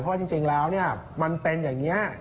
เพราะจริงแล้วมันเป็นอย่างนี้